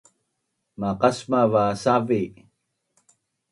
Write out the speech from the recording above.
Maqasmav va Savi